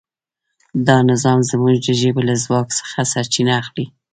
دا نظام زموږ د ژبې له ځواک څخه سرچینه اخلي.